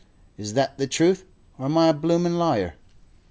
Is that the truth, or am I a bloomin' liar?"